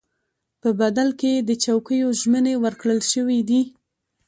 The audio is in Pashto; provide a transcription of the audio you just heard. په بدل کې یې د چوکیو ژمنې ورکړل شوې دي.